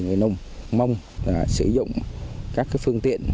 người nông mông sử dụng các phương tiện